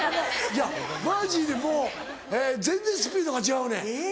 マジでもう全然スピードが違うねん。